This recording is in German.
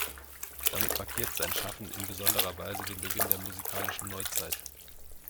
Damit markiert sein Schaffen in besonderer Weise den Beginn der musikalischen Neuzeit.